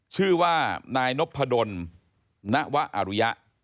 ชื่อว่านายนพดลนวะอรุยะ